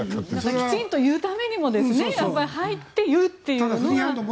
きちんと言うためにも入って言うというのが。